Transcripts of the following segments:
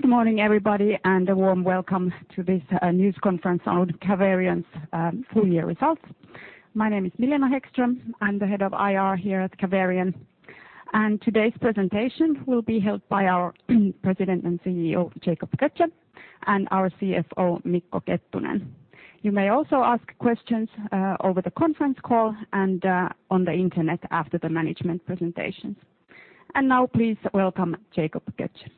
Good morning, everybody, and a warm welcome to this news conference on Caverion's full year results. My name is Milena Hæggström. I'm the Head of IR here at Caverion. Today's presentation will be held by our President and CEO, Jacob Götzsche, and our CFO, Mikko Kettunen. You may also ask questions over the conference call and on the internet after the management presentations. Now please welcome Jacob Götzsche.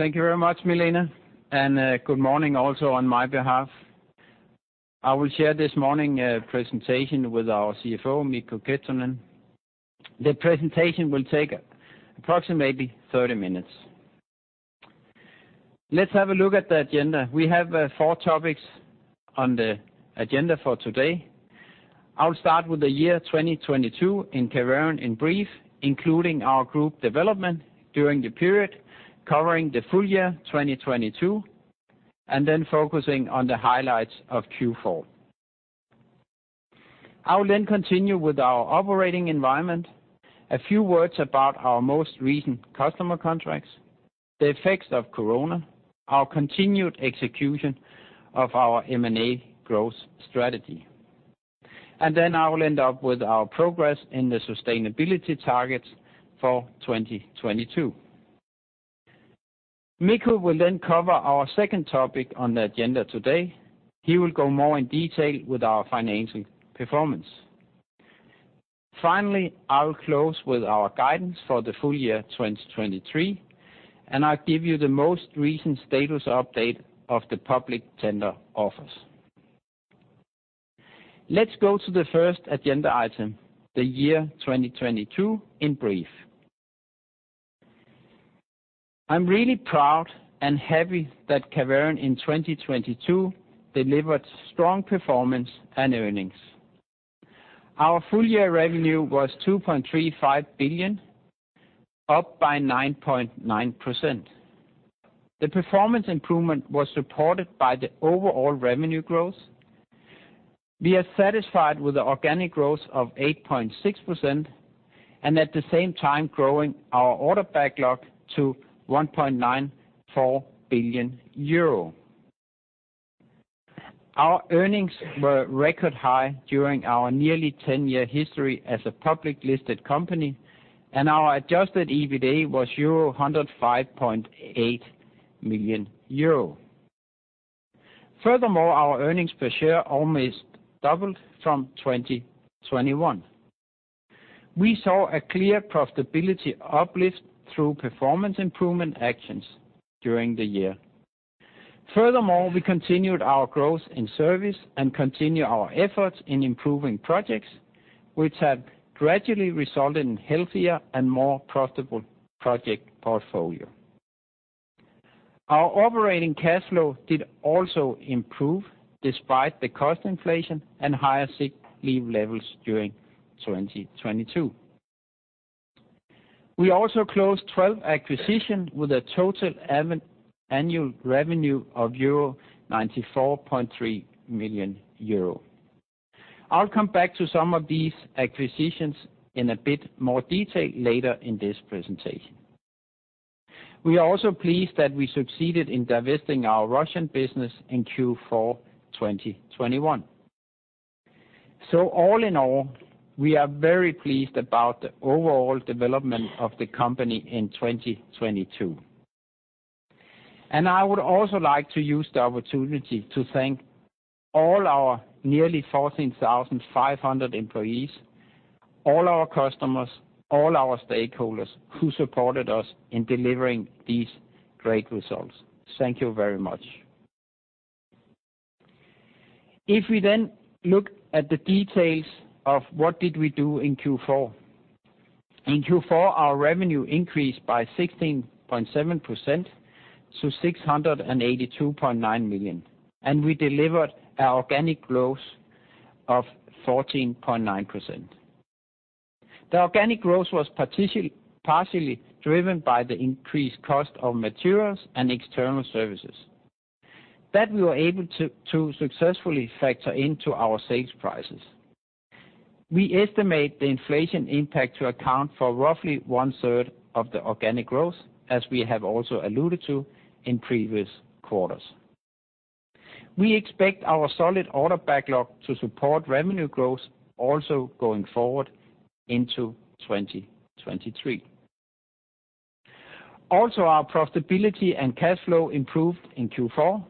Thank you very much, Milena Hæggström. Good morning also on my behalf. I will share this morning presentation with our CFO, Mikko Kettunen. The presentation will take approximately 30 minutes. Let's have a look at the agenda. We have four topics on the agenda for today. I'll start with the year 2022 in Caverion in brief, including our group development during the period covering the full year 2022, and then focusing on the highlights of Q4. I will then continue with our operating environment, a few words about our most recent customer contracts, the effects of Corona, our continued execution of our M&A growth strategy. I will end up with our progress in the sustainability targets for 2022. Mikko will then cover our second topic on the agenda today. He will go more in detail with our financial performance. Finally, I will close with our guidance for the full year 2023, and I'll give you the most recent status update of the public tender offers. Let's go to the first agenda item, the year 2022 in brief. I'm really proud and happy that Caverion in 2022 delivered strong performance and earnings. Our full year revenue was 2.35 billion, up by 9.9%. The performance improvement was supported by the overall revenue growth. We are satisfied with the organic growth of 8.6%, and at the same time growing our order backlog to 1.94 billion euro. Our earnings were record high during our nearly 10-year history as a public listed company, and our adjusted EBITA was 105.8 million euro. Furthermore, our earnings per share almost doubled from 2021. We saw a clear profitability uplift through performance improvement actions during the year. Furthermore, we continued our growth in service and continue our efforts in improving projects, which have gradually resulted in healthier and more profitable project portfolio. Our operating cash flow did also improve despite the cost inflation and higher sick leave levels during 2022. We also closed 12 acquisition with a total annual revenue of 94.3 million euro. I'll come back to some of these acquisitions in a bit more detail later in this presentation. We are also pleased that we succeeded in divesting our Russian business in Q4, 2021. All in all, we are very pleased about the overall development of the company in 2022. I would also like to use the opportunity to thank all our nearly 14,500 employees, all our customers, all our stakeholders who supported us in delivering these great results. Thank you very much. If we look at the details of what did we do in Q4. In Q4, our revenue increased by 16.7% to 682.9 million, and we delivered organic growth of 14.9%. The organic growth was partially driven by the increased cost of materials and external services that we were able to successfully factor into our sales prices. We estimate the inflation impact to account for roughly one-third of the organic growth, as we have also alluded to in previous quarters. We expect our solid order backlog to support revenue growth also going forward into 2023. Our profitability and cash flow improved in Q4.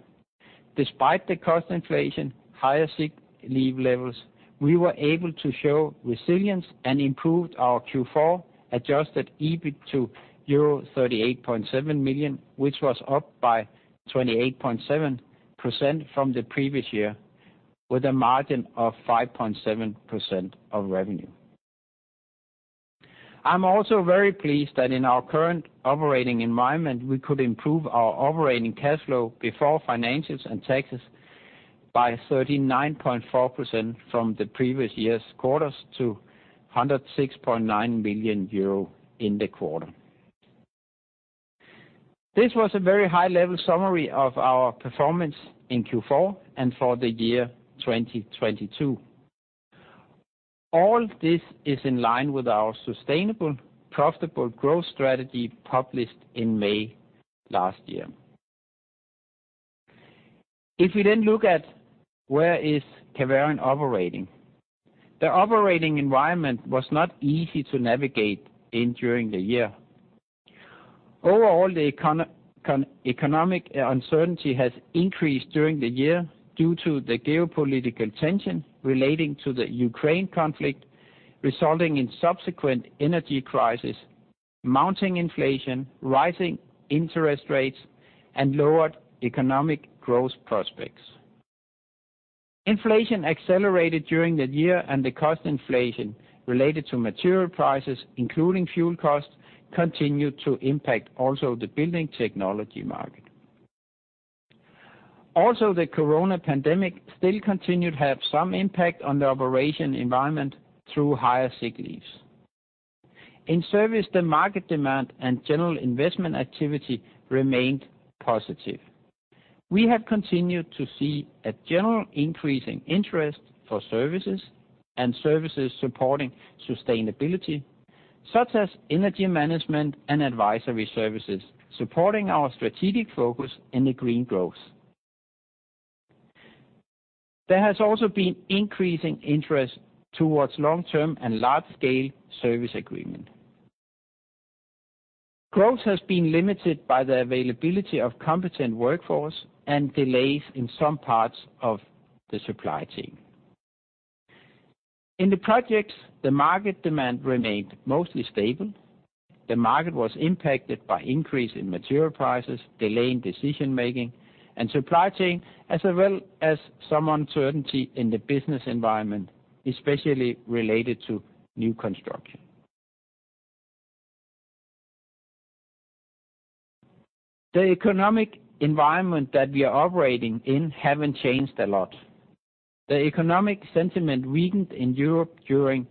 Despite the cost inflation, higher sick leave levels, we were able to show resilience and improved our Q4 adjusted EBIT to euro 38.7 million, which was up by 28.7% from the previous year with a margin of 5.7% of revenue. I'm very pleased that in our current operating environment, we could improve our operating cash flow before financials and taxes by 39.4% from the previous year's quarters to 106.9 million euro in the quarter. This was a very high-level summary of our performance in Q4 and for the year 2022. All this is in line with our sustainable, profitable growth strategy published in May last year. If we look at where is Caverion operating. The operating environment was not easy to navigate in during the year. Overall, the economic uncertainty has increased during the year due to the geopolitical tension relating to the Ukraine conflict, resulting in subsequent energy crisis, mounting inflation, rising interest rates, and lowered economic growth prospects. Inflation accelerated during the year, and the cost inflation related to material prices, including fuel costs, continued to impact also the building technology market. Also, the COVID pandemic still continued to have some impact on the operation environment through higher sick leaves. In service, the market demand and general investment activity remained positive. We have continued to see a general increase in interest for services, and services supporting sustainability, such as energy management and advisory services, supporting our strategic focus in the green growth. There has also been increasing interest towards long-term and large-scale service agreement. Growth has been limited by the availability of competent workforce and delays in some parts of the supply chain. In the projects, the market demand remained mostly stable. The market was impacted by increase in material prices, delay in decision-making and supply chain, as well as some uncertainty in the business environment, especially related to new construction. The economic environment that we are operating in haven't changed a lot. The economic sentiment weakened in Europe during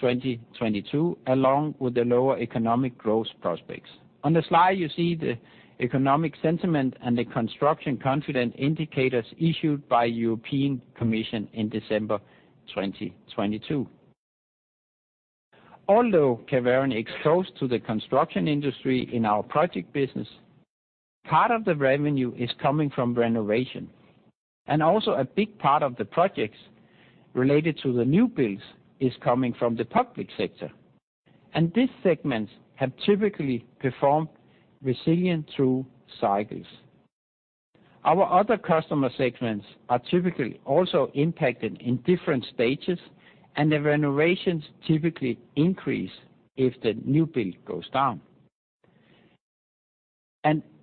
2022, along with the lower economic growth prospects. On the slide, you see the economic sentiment and the construction confidence indicators issued by European Commission in December 2022. Although Caverion exposed to the construction industry in our project business, part of the revenue is coming from renovation. Also a big part of the projects related to the new builds is coming from the public sector. These segments have typically performed resilient through cycles. Our other customer segments are typically also impacted in different stages, and the renovations typically increase if the new build goes down.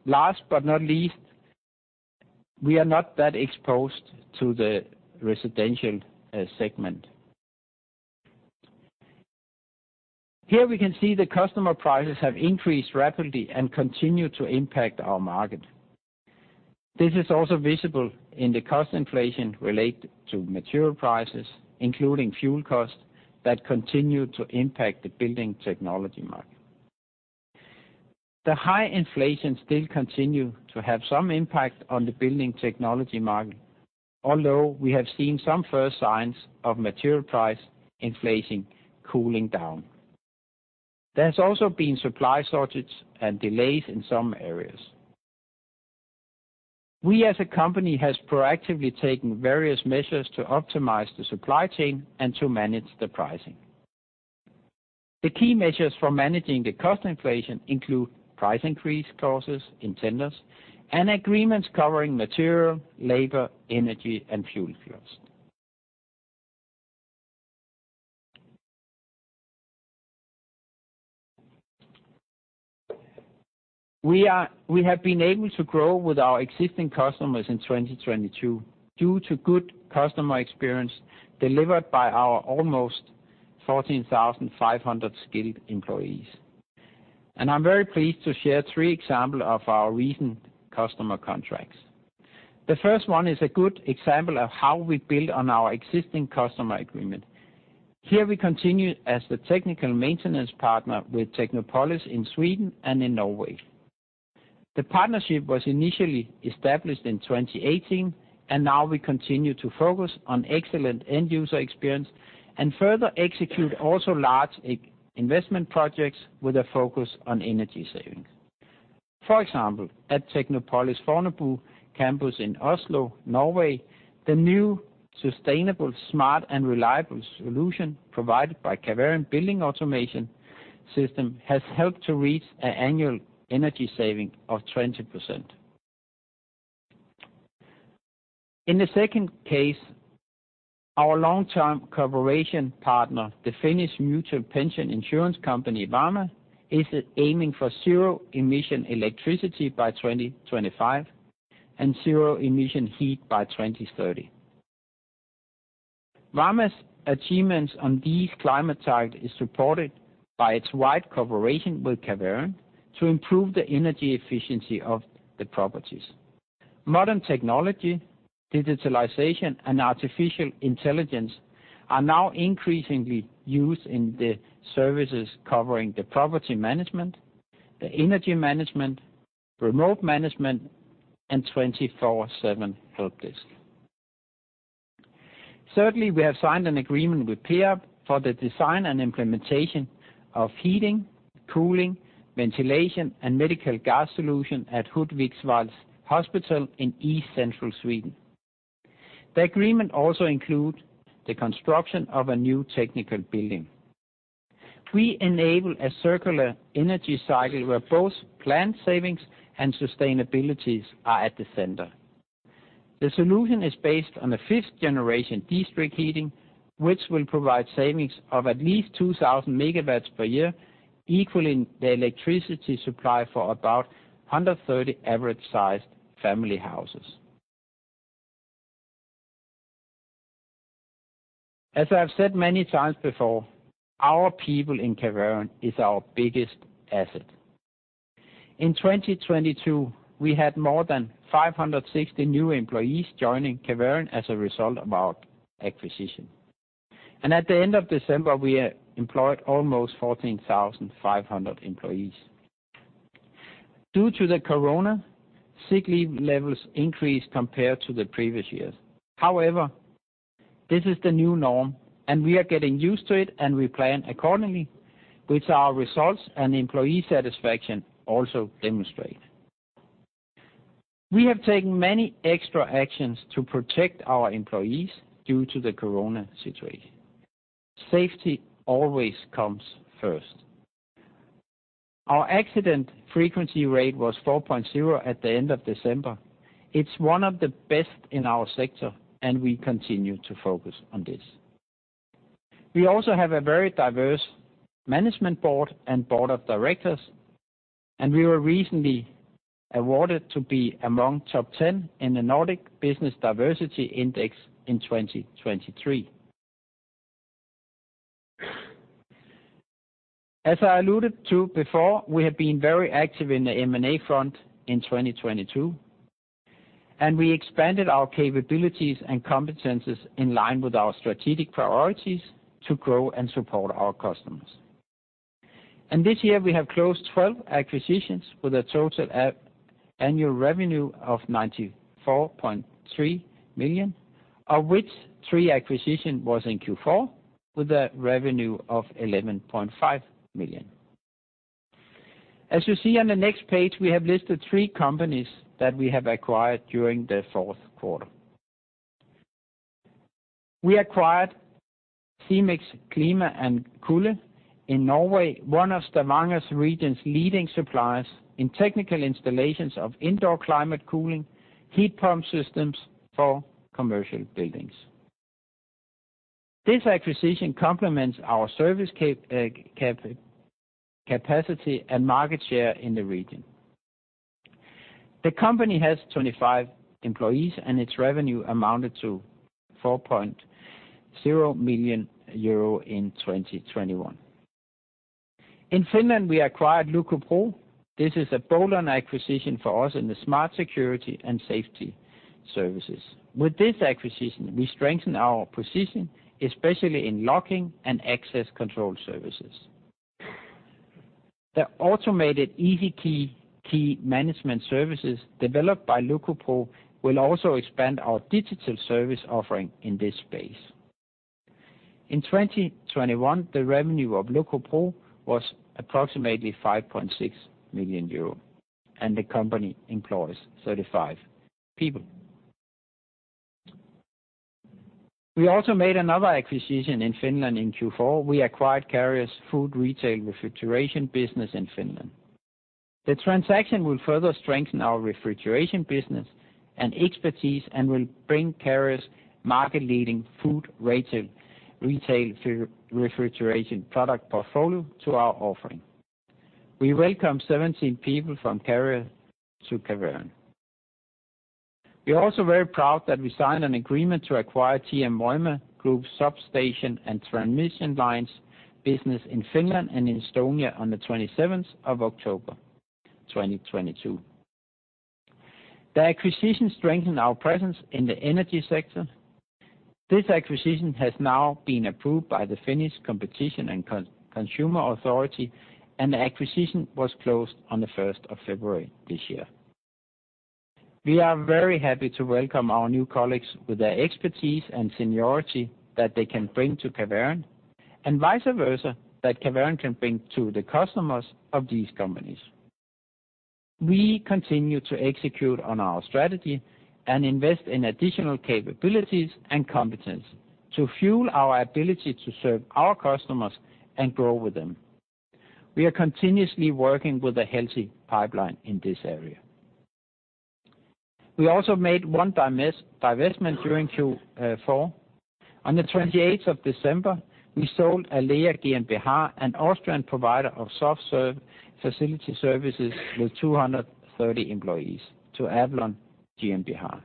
Last but not least, we are not that exposed to the residential segment. Here we can see the customer prices have increased rapidly and continue to impact our market. This is also visible in the cost inflation related to material prices, including fuel costs, that continue to impact the building technology market. The high inflation still continue to have some impact on the building technology market, although we have seen some first signs of material price inflation cooling down. There's also been supply shortage and delays in some areas. We, as a company, has proactively taken various measures to optimize the supply chain and to manage the pricing. The key measures for managing the cost inflation include price increase clauses in tenders and agreements covering material, labor, energy, and fuel costs. We have been able to grow with our existing customers in 2022 due to good customer experience delivered by our almost 14,500 skilled employees. I'm very pleased to share three example of our recent customer contracts. The first one is a good example of how we build on our existing customer agreement. Here we continue as the technical maintenance partner with Technopolis in Sweden and in Norway. The partnership was initially established in 2018, and now we continue to focus on excellent end-user experience and further execute also large investment projects with a focus on energy savings. For example, at Technopolis Fornebu campus in Oslo, Norway, the new sustainable, smart and reliable solution provided by Caverion building automation system has helped to reach an annual energy saving of 20%. In the second case, our long-term cooperation partner, the Finnish mutual pension insurance company Varma, is aiming for zero emission electricity by 2025 and zero emission heat by 2030. Varma's achievements on these climate targets is supported by its wide cooperation with Caverion to improve the energy efficiency of the properties. Modern technology, digitalization, and artificial intelligence are now increasingly used in the services covering the property management, the energy management, remote management, and 24/7 help desk. Thirdly, we have signed an agreement with Peab for the design and implementation of heating, cooling, ventilation, and medical gas solution at Hudiksvall Hospital in east-central Sweden. The agreement also include the construction of a new technical building. We enable a circular energy cycle where both plant savings and sustainabilities are at the center. The solution is based on the fifth generation district heating, which will provide savings of at least 2,000 megawatts per year, equaling the electricity supply for about 130 average-sized family houses. As I've said many times before, our people in Caverion is our biggest asset. In 2022, we had more than 560 new employees joining Caverion as a result of our acquisition. At the end of December, we employed almost 14,500 employees. Due to the corona, sick leave levels increased compared to the previous years. However, this is the new norm, and we are getting used to it, and we plan accordingly, which our results and employee satisfaction also demonstrate. We have taken many extra actions to protect our employees due to the corona situation. Safety always comes first. Our accident frequency rate was 4.0 at the end of December. It's one of the best in our sector, and we continue to focus on this. We also have a very diverse management board and board of directors, and we were recently awarded to be among top 10 in the Nordic Business Diversity Index in 2023. As I alluded to before, we have been very active in the M&A front in 2022, and we expanded our capabilities and competencies in line with our strategic priorities to grow and support our customers. This year, we have closed 12 acquisitions with a total annual revenue of 94.3 million, of which three acquisition was in Q4, with a revenue of 11.5 million. As you see on the next page, we have listed three companies that we have acquired during the fourth quarter. We acquired Simex Klima & Kulde in Norway, one of Stavanger's region's leading suppliers in technical installations of indoor climate cooling heat pump systems for commercial buildings. This acquisition complements our service capacity and market share in the region. The company has 25 employees, and its revenue amounted to 4.0 million euro in 2021. In Finland, we acquired LukkoPro. This is a bolt-on acquisition for us in the smart security and safety services. With this acquisition, we strengthen our position, especially in locking and access control services. The automated EasyKey key management services developed by LukkoPro will also expand our digital service offering in this space. In 2021, the revenue of LukkoPro was approximately 5.6 million euro, and the company employs 35 people. We also made another acquisition in Finland in Q4. We acquired Carrier's food retail refrigeration business in Finland. The transaction will further strengthen our refrigeration business and expertise and will bring Carrier's market-leading food retail refrigeration product portfolio to our offering. We welcome 17 people from Carrier to Caverion. We are also very proud that we signed an agreement to acquire TM Voima group's substation and transmission lines business in Finland and Estonia on October 27th, 2022. The acquisition strengthened our presence in the energy sector. This acquisition has now been approved by the Finnish Competition and Consumer Authority, and the acquisition was closed on February 1st this year. We are very happy to welcome our new colleagues with their expertise and seniority that they can bring to Caverion and vice versa, that Caverion can bring to the customers of these companies. We continue to execute on our strategy and invest in additional capabilities and competence to fuel our ability to serve our customers and grow with them. We are continuously working with a healthy pipeline in this area. We also made one divestment during Q4. On the 28th of December, we sold ALEA GmbH, an Austrian provider of soft facility services with 230 employees to Avalon GmbH.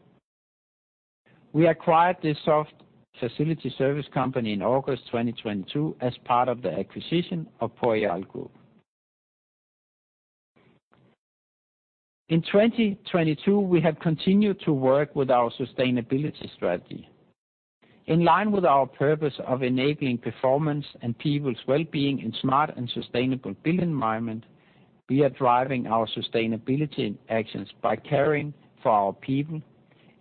We acquired this soft facility service company in August 2022 as part of the acquisition of PORREAL Group. In 2022, we have continued to work with our sustainability strategy. In line with our purpose of enabling performance and people's well-being in smart and sustainable built environment, we are driving our sustainability actions by caring for our people,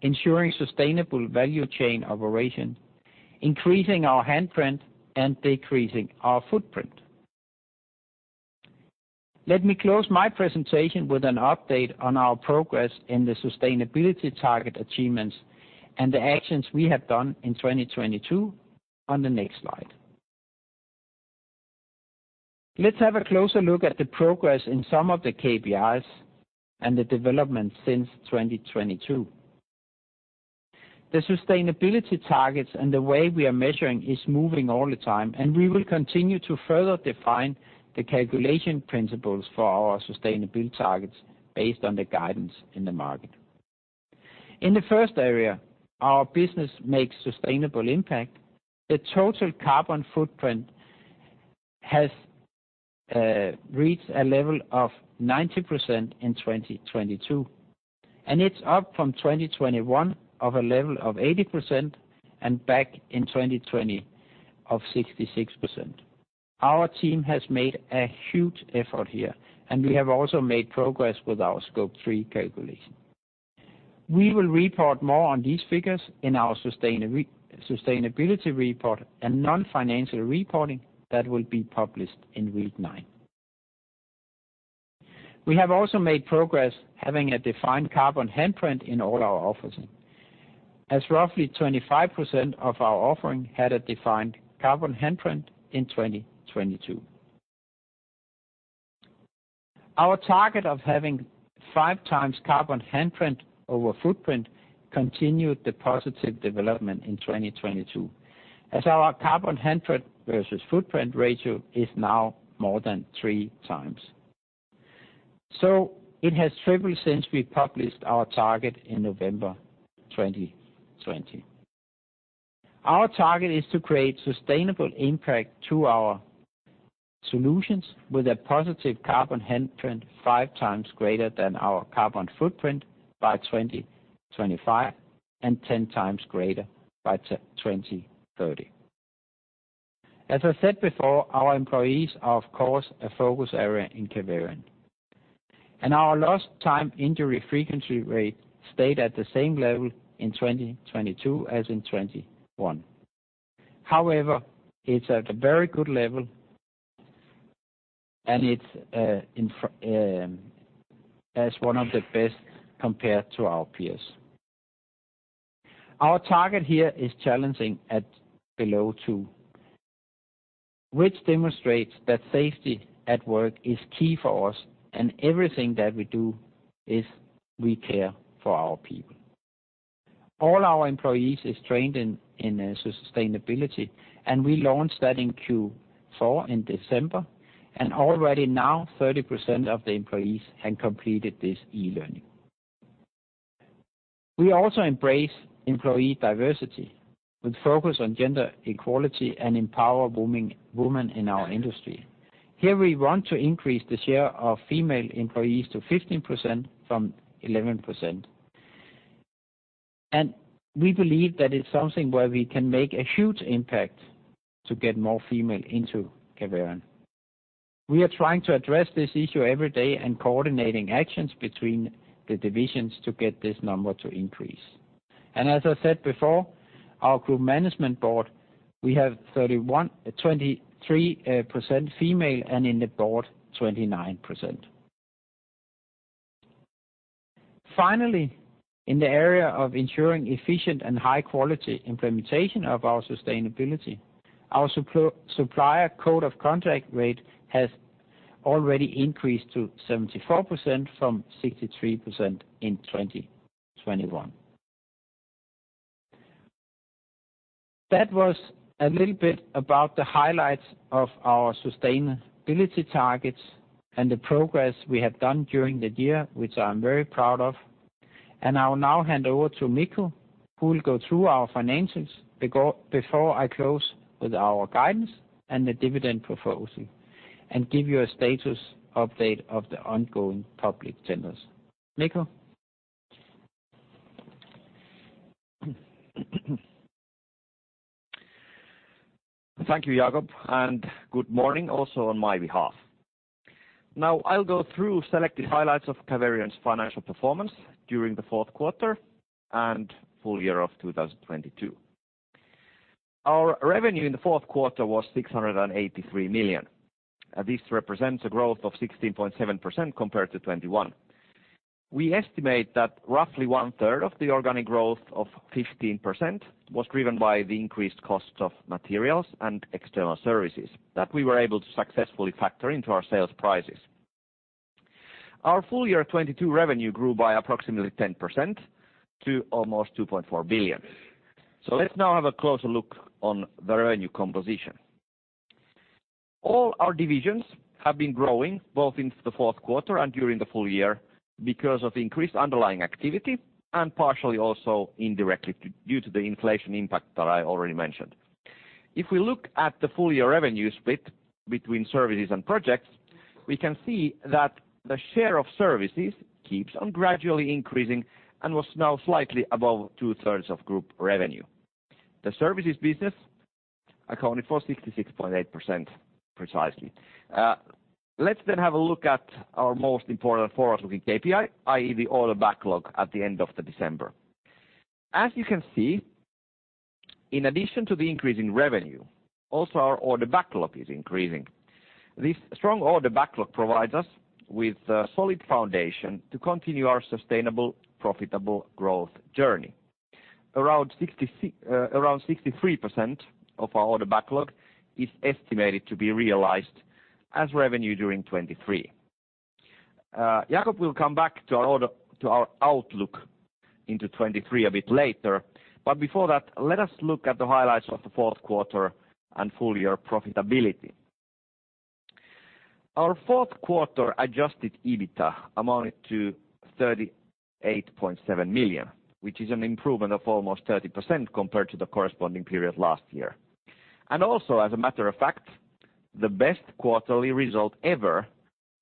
ensuring sustainable value chain operation, increasing our handprint, and decreasing our footprint. Let me close my presentation with an update on our progress in the sustainability target achievements and the actions we have done in 2022 on the next slide. Let's have a closer look at the progress in some of the KPIs and the development since 2022. The sustainability targets and the way we are measuring is moving all the time. We will continue to further define the calculation principles for our sustainable targets based on the guidance in the market. In the first area, our business makes sustainable impact. The total carbon footprint has reached a level of 90% in 2022. It's up from 2021 of a level of 80% and back in 2020 of 66%. Our team has made a huge effort here. We have also made progress with our Scope 3 calculation. We will report more on these figures in our sustainability report and non-financial reporting that will be published in week nine. We have also made progress having a defined carbon handprint in all our offering, as roughly 25% of our offering had a defined carbon handprint in 2022. Our target of having 5x carbon handprint over footprint continued the positive development in 2022, as our carbon handprint versus footprint ratio is now more than 3x. It has tripled since we published our target in November 2020. Our target is to create sustainable impact to our solutions with a positive carbon handprint 5x greater than our carbon footprint by 2025 and 10x greater by 2030. As I said before, our employees are, of course, a focus area in Caverion. Our Lost Time Injury Frequency Rate stayed at the same level in 2022 as in 2021. However, it's at a very good level, and it's in as one of the best compared to our peers. Our target here is challenging at below two, which demonstrates that safety at work is key for us, and everything that we do is we care for our people. All our employees is trained in sustainability, and we launched that in Q4 in December, and already now, 30% of the employees have completed this e-learning. We also embrace employee diversity with focus on gender equality and empower women in our industry. Here we want to increase the share of female employees to 15% from 11%. We believe that it's something where we can make a huge impact to get more female into Caverion. We are trying to address this issue every day and coordinating actions between the divisions to get this number to increase. As I said before, our group management board, we have 23% female, and in the board, 29%. Finally, in the area of ensuring efficient and high-quality implementation of our sustainability, our supplier code of contract rate has already increased to 74% from 63% in 2021. That was a little bit about the highlights of our sustainability targets and the progress we have done during the year, which I'm very proud of. I will now hand over to Mikko Kettunen, who will go through our financials before I close with our guidance and the dividend proposal and give you a status update of the ongoing public tenders. Mikko. Thank you, Jacob. Good morning also on my behalf. Now I'll go through selected highlights of Caverion's financial performance during the fourth quarter and full year of 2022. Our revenue in the fourth quarter was 683 million. This represents a growth of 16.7% compared to 2021. We estimate that roughly one-third of the organic growth of 15% was driven by the increased cost of materials and external services that we were able to successfully factor into our sales prices. Our full year 2022 revenue grew by approximately 10% to almost 2.4 billion. Let's now have a closer look on the revenue composition. All our divisions have been growing both into the fourth quarter and during the full year because of increased underlying activity and partially also indirectly due to the inflation impact that I already mentioned. If we look at the full-year revenue split between services and projects, we can see that the share of services keeps on gradually increasing and was now slightly above two-thirds of group revenue. The services business accounted for 66.8% precisely. Let's have a look at our most important for us looking KPI, i.e. the order backlog at the end of December. As you can see, in addition to the increase in revenue, also our order backlog is increasing. This strong order backlog provides us with a solid foundation to continue our sustainable, profitable growth journey. Around 63% of our order backlog is estimated to be realized as revenue during 2023. Jacob will come back to our outlook into 2023 a bit later. Before that, let us look at the highlights of the fourth quarter and full year profitability. Our fourth quarter adjusted EBITDA amounted to 38.7 million, which is an improvement of almost 30% compared to the corresponding period last year. As a matter of fact, the best quarterly result ever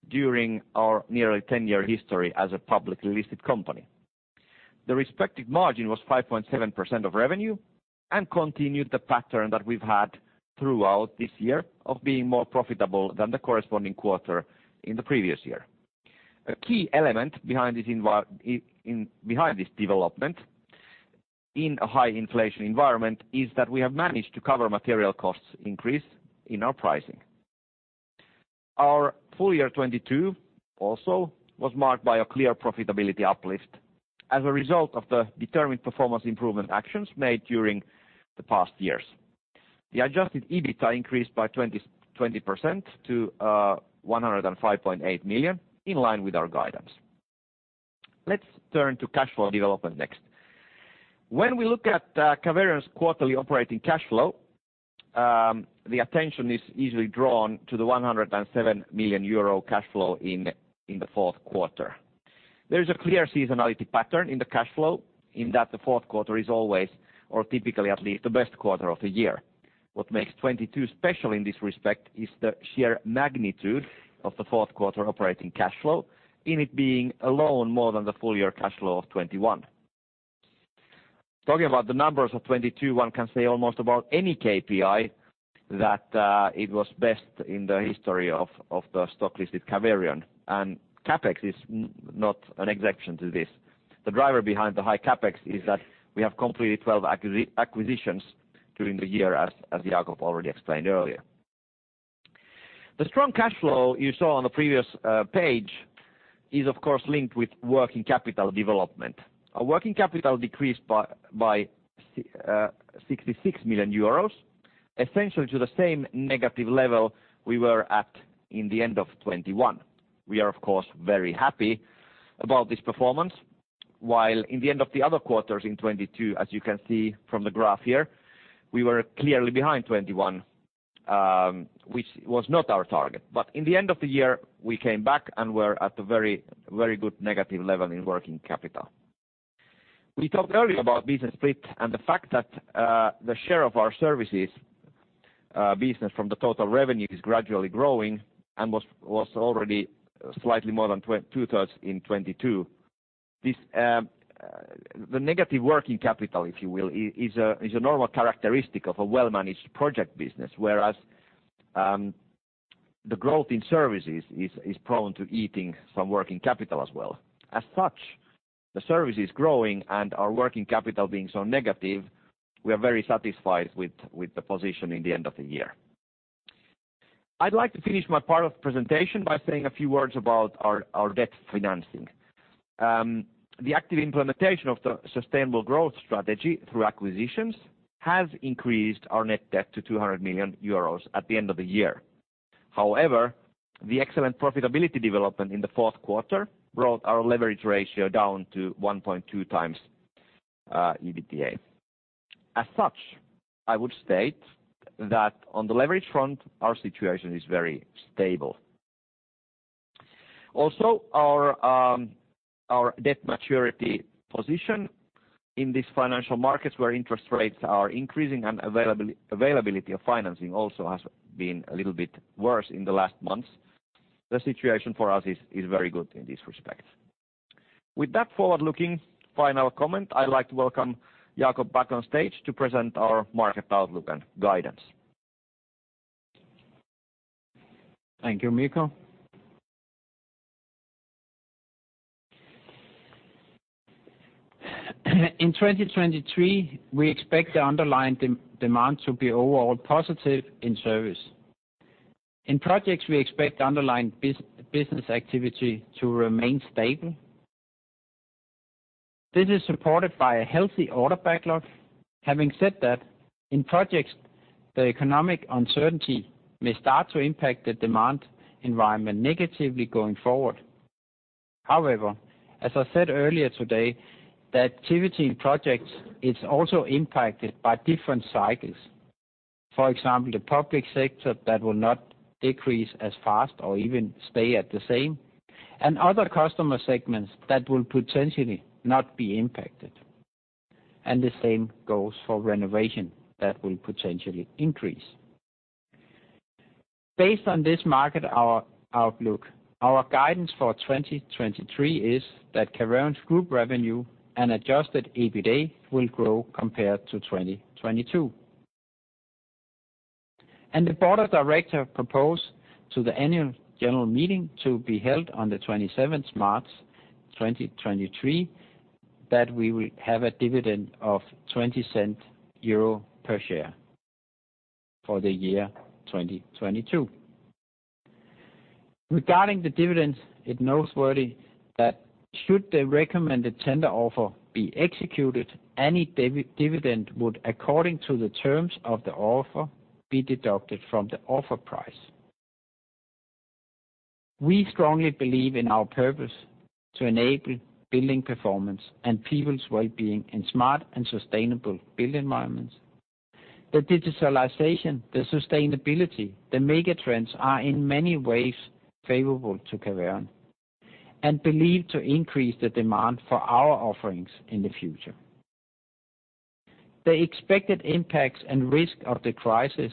during our nearly 10-year history as a publicly listed company. The respective margin was 5.7% of revenue and continued the pattern that we've had throughout this year of being more profitable than the corresponding quarter in the previous year. A key element behind this development in a high inflation environment is that we have managed to cover material costs increase in our pricing. Our full year 2022 also was marked by a clear profitability uplift as a result of the determined performance improvement actions made during the past years. The adjusted EBITA increased by 20% to 105.8 million in line with our guidance. Let's turn to cash flow development next. When we look at Caverion's quarterly operating cash flow, the attention is easily drawn to the 107 million euro cash flow in the fourth quarter. There is a clear seasonality pattern in the cash flow in that the fourth quarter is always or typically at least the best quarter of the year. What makes 2022 special in this respect is the sheer magnitude of the fourth quarter operating cash flow in it being alone more than the full year cash flow of 2021. Talking about the numbers of 2022, one can say almost about any KPI that it was best in the history of the stock listed Caverion. CapEx is not an exception to this. The driver behind the high CapEx is that we have completed 12 acquisitions during the year, as Jacob already explained earlier. The strong cash flow you saw on the previous page is of course linked with working capital development. Our working capital decreased by 66 million euros, essentially to the same negative level we were at in the end of 2021. We are of course, very happy about this performance, while in the end of the other quarters in 2022, as you can see from the graph here, we were clearly behind 2021, which was not our target. In the end of the year, we came back and we're at a very, very good negative level in working capital. We talked earlier about business split and the fact that the share of our services business from the total revenue is gradually growing and was already slightly more than two-thirds in 2022. This, the negative working capital, if you will, is a normal characteristic of a well-managed project business, whereas the growth in services is prone to eating some working capital as well. As such, the service is growing and our working capital being so negative, we are very satisfied with the position in the end of the year. I'd like to finish my part of the presentation by saying a few words about our debt financing. The active implementation of the sustainable growth strategy through acquisitions has increased our net debt to 200 million euros at the end of the year. The excellent profitability development in the fourth quarter brought our leverage ratio down to 1.2x EBITDA. As such, I would state that on the leverage front, our situation is very stable. Our debt maturity position in this financial markets where interest rates are increasing and availability of financing also has been a little bit worse in the last months. The situation for us is very good in this respect. With that forward-looking final comment, I'd like to welcome Jacob back on stage to present our market outlook and guidance. Thank you, Mikko. In 2023, we expect the underlying demand to be overall positive in service. In projects, we expect underlying business activity to remain stable. This is supported by a healthy order backlog. Having said that, in projects, the economic uncertainty may start to impact the demand environment negatively going forward. As I said earlier today, the activity in projects is also impacted by different cycles. For example, the public sector that will not decrease as fast or even stay at the same, and other customer segments that will potentially not be impacted. The same goes for renovation that will potentially increase. Based on this market, our outlook, our guidance for 2023 is that Caverion's group revenue and adjusted EBITA will grow compared to 2022. The Board of Directors propose to the annual general meeting to be held on March 27th, 2023 that we will have a dividend of 0.20 per share for the year 2022. Regarding the dividends, it's noteworthy that should the recommended tender offer be executed, any dividend would, according to the terms of the offer, be deducted from the offer price. We strongly believe in our purpose to enable building performance and people's wellbeing in smart and sustainable build environments. The digitalization, the sustainability, the mega trends are in many ways favorable to Caverion, and believed to increase the demand for our offerings in the future. The expected impacts and risk of the crisis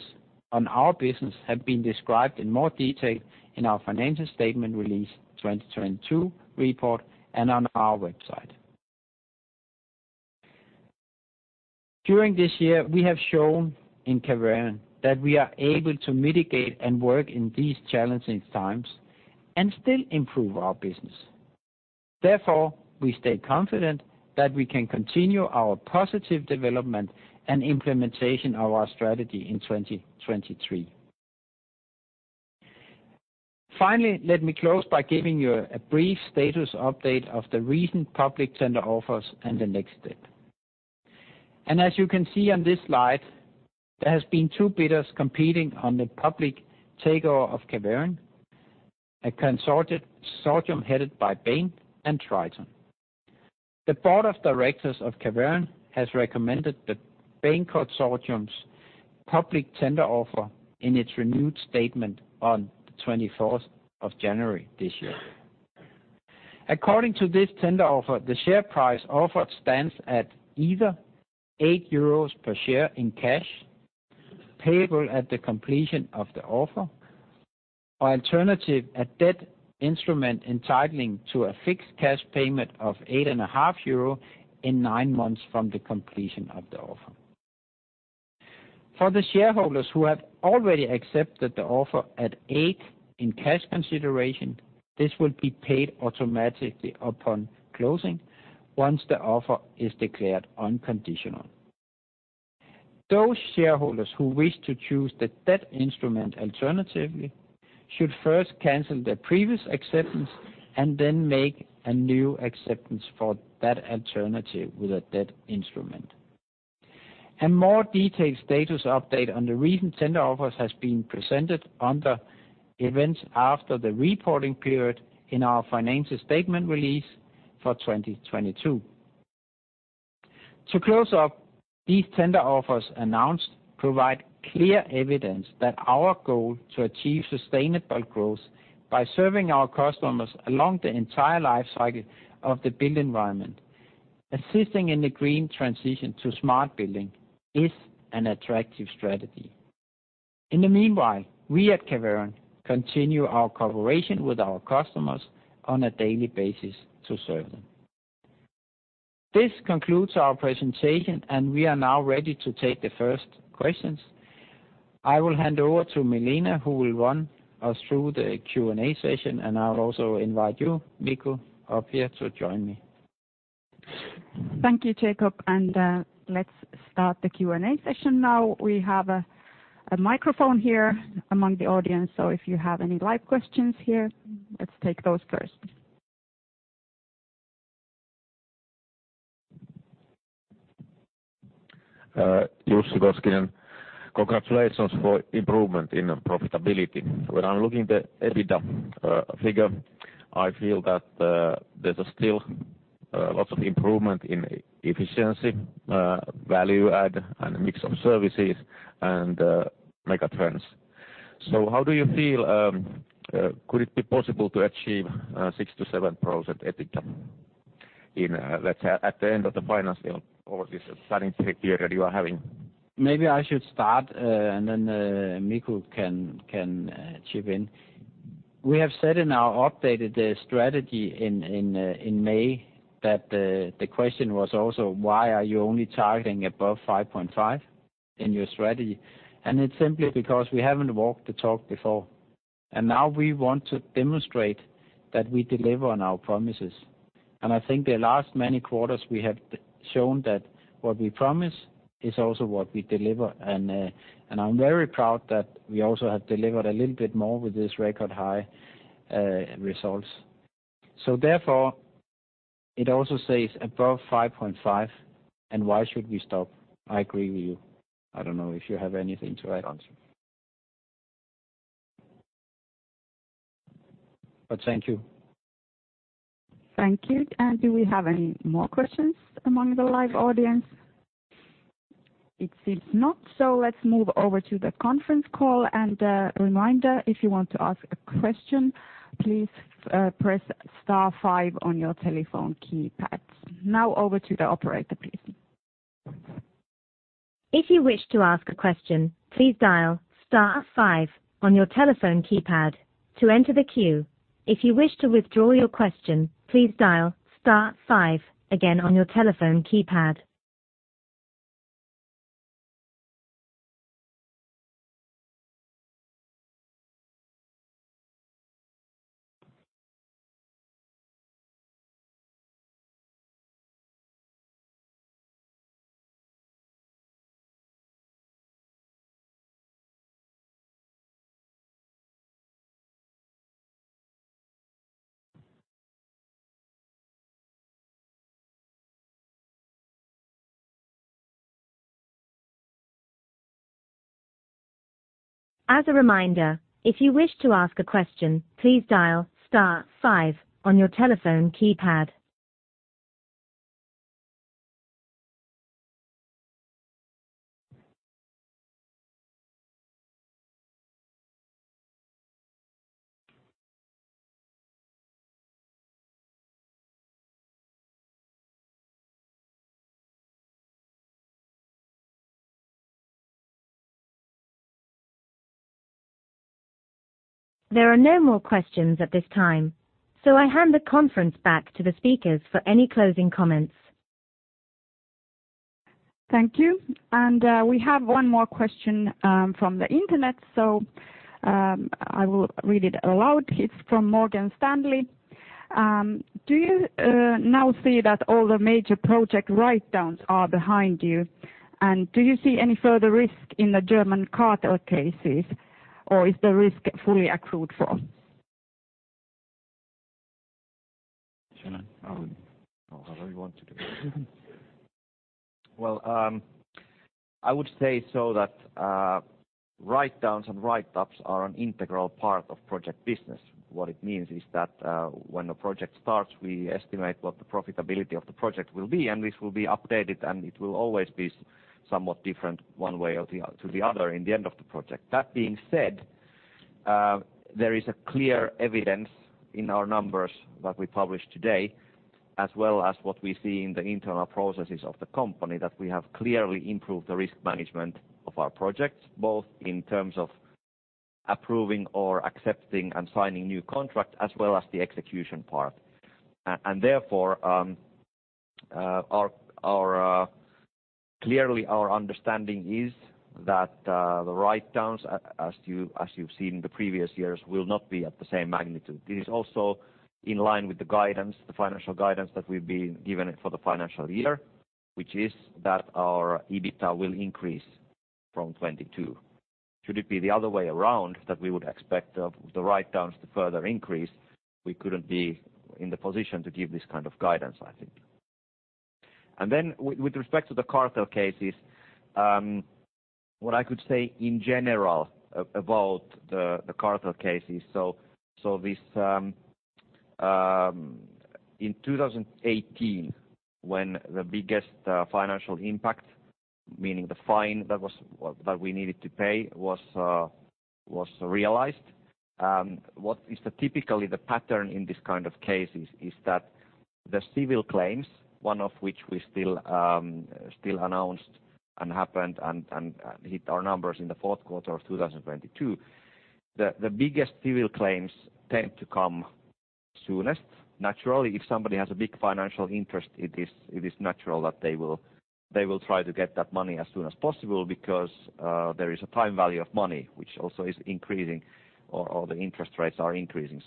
on our business have been described in more detail in our financial statement release 2022 report and on our website. During this year, we have shown in Caverion that we are able to mitigate and work in these challenging times and still improve our business. Therefore, we stay confident that we can continue our positive development and implementation of our strategy in 2023. Finally, let me close by giving you a brief status update of the recent public tender offers and the next step. As you can see on this slide, there has been two bidders competing on the public takeover of Caverion, a consortium headed by Bain and Triton. The board of directors of Caverion has recommended the Bain consortium's public tender offer in its renewed statement on the 24th of January this year. According to this tender offer, the share price offered stands at either 8 euros per share in cash, payable at the completion of the offer, or alternative, a debt instrument entitling to a fixed cash payment of 8.5 euro in nine months from the completion of the offer. For the shareholders who have already accepted the offer at 8 in cash consideration, this will be paid automatically upon closing once the offer is declared unconditional. Those shareholders who wish to choose the debt instrument alternatively should first cancel their previous acceptance and then make a new acceptance for that alternative with a debt instrument. A more detailed status update on the recent tender offers has been presented under events after the reporting period in our financial statement release for 2022. To close up, these tender offers announced provide clear evidence that our goal to achieve sustainable growth by serving our customers along the entire life cycle of the build environment, assisting in the green transition to smart building, is an attractive strategy. In the meanwhile, we at Caverion continue our cooperation with our customers on a daily basis to serve them. This concludes our presentation, and we are now ready to take the first questions. I will hand over to Milena Hæggström, who will run us through the Q&A session, and I'll also invite you, Mikko Kettunen, up here to join me. Thank you, Jacob, and let's start the Q&A session now. We have a microphone here among the audience, so if you have any live questions here, let's take those first. [Jussi Koskinen]. Congratulations for improvement in profitability. When I'm looking at the EBITA figure, I feel that there's still lots of improvement in efficiency, value add, and mix of services and mega trends. How do you feel, could it be possible to achieve 6%-7% EBITA in, let's say, at the end of the financial or this planning period you are having? Maybe I should start, then Mikko can chip in. We have said in our updated strategy in May that the question was also why are you only targeting above 5.5% in your strategy? It's simply because we haven't walked the talk before. Now we want to demonstrate that we deliver on our promises. I think the last many quarters we have shown that what we promise is also what we deliver. I'm very proud that we also have delivered a little bit more with this record high results. Therefore, it also says above 5.5%, why should we stop? I agree with you. I don't know if you have anything to add on to. Thank you. Thank you. Do we have any more questions among the live audience? It seems not. Let's move over to the conference call. A reminder, if you want to ask a question, please press star five on your telephone keypad. Now over to the operator, please. If you wish to ask a question, please dial star five on your telephone keypad to enter the queue. If you wish to withdraw your question, please dial star five again on your telephone keypad. As a reminder, if you wish to ask a question, please dial star five on your telephone keypad. There are no more questions at this time. I hand the conference back to the speakers for any closing comments. Thank you. We have one more question from the Internet, so I will read it aloud. It's from Morgan Stanley. Do you now see that all the major project write-downs are behind you? Do you see any further risk in the German cartel cases, or is the risk fully accrued for? Shall I? However you want to do it. I would say so that write-downs and write-ups are an integral part of project business. What it means is that when a project starts, we estimate what the profitability of the project will be, and this will be updated, and it will always be somewhat different one way or to the other in the end of the project. That being said, there is a clear evidence in our numbers that we published today, as well as what we see in the internal processes of the company, that we have clearly improved the risk management of our projects, both in terms of approving or accepting and signing new contract, as well as the execution part. Therefore, our... Clearly, our understanding is that the write-downs, as you've seen in the previous years, will not be at the same magnitude. This is also in line with the guidance, the financial guidance that we've been given for the financial year, which is that our EBITDA will increase from 2022. Should it be the other way around, that we would expect the write-downs to further increase, we couldn't be in the position to give this kind of guidance, I think. With respect to the cartel cases, what I could say in general about the cartel cases. this. In 2018, when the biggest financial impact, meaning the fine that we needed to pay was realized, what is the typically the pattern in this kind of cases is that the civil claims, one of which we still announced and happened and hit our numbers in the fourth quarter of 2022. The biggest civil claims tend to come soonest. Naturally, if somebody has a big financial interest, it is natural that they will try to get that money as soon as possible because there is a time value of money which also is increasing, or the interest rates are increasing.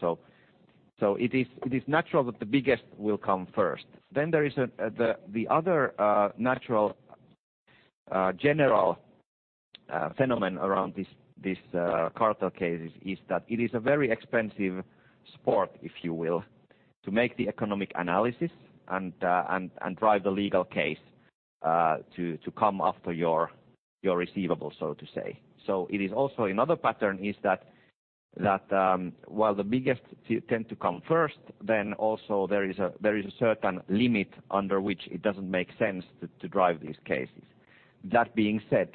It is natural that the biggest will come first. There is the other natural general phenomenon around these cartel cases is that it is a very expensive sport, if you will, to make the economic analysis and drive the legal case to come after your receivables, so to say. It is also another pattern is that while the biggest tend to come first, then also there is a certain limit under which it doesn't make sense to drive these cases. That being said,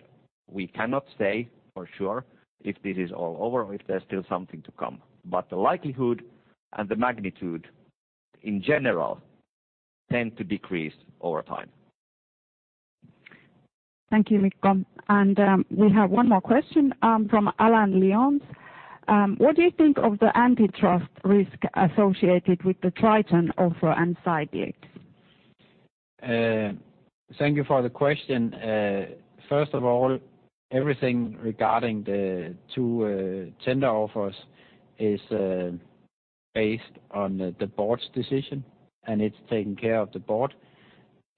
we cannot say for sure if this is all over or if there's still something to come, but the likelihood and the magnitude in general tend to decrease over time. Thank you, Mikko. We have one more question, from Alan Lyons. What do you think of the antitrust risk associated with the Triton offer and Assemblin? Thank you for the question. First of all, everything regarding the two tender offers is based on the board's decision, and it's taken care of the board.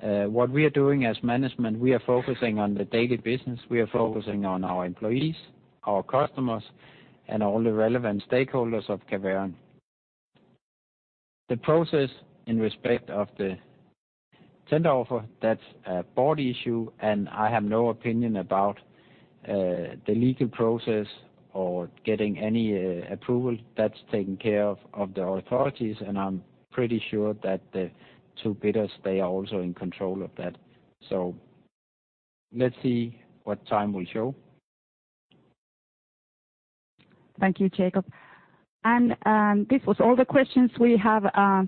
What we are doing as management, we are focusing on the daily business. We are focusing on our employees, our customers, and all the relevant stakeholders of Caverion. The process in respect of the tender offer, that's a board issue, and I have no opinion about the legal process or getting any approval. That's taken care of the authorities, and I'm pretty sure that the two bidders, they are also in control of that. Let's see what time will show. Thank you, Jacob. This was all the questions we have,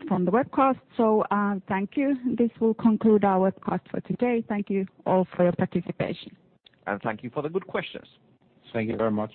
from the webcast. Thank you. This will conclude our webcast for today. Thank you all for your participation. Thank you for the good questions. Thank you very much.